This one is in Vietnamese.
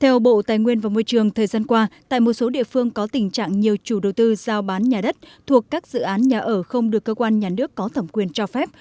theo bộ tài nguyên và môi trường thời gian qua tại một số địa phương có tình trạng nhiều chủ đầu tư giao bán nhà đất thuộc các dự án nhà ở không được cơ quan nhà nước có thẩm quyền cho phép